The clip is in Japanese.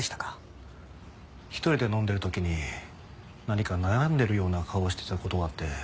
一人で飲んでる時に何か悩んでるような顔をしてた事があって。